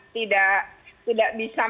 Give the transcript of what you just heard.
tidak bisa menyelesaikan masalah sejauh ini